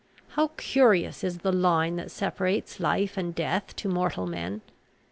How curious is the line that separates life and death to mortal men!